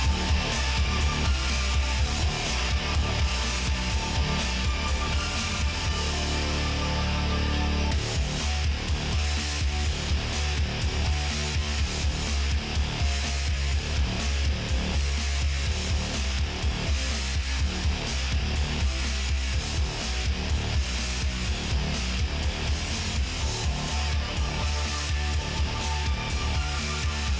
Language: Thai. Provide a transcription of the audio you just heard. โปรดติดตามตอนต่อไป